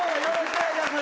お願いします。